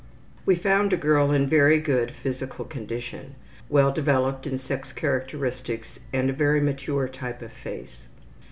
We found a girl in very good general physical condition. Well developed in sex characteristics and a very mature type of face.